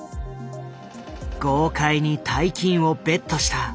豪快に大金をベットした。